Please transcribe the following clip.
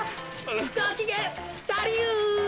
ごきげんサリユ！